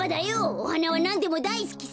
おはなはなんでもだいすきさ。